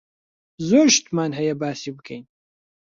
زۆر شتمان هەیە باسی بکەین.